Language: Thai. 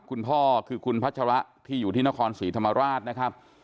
คุณพ่อคือคุณพัชระที่อยู่ที่นครศรีธรรมราชนะครับ